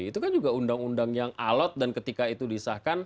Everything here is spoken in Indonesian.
itu kan juga undang undang yang alot dan ketika itu disahkan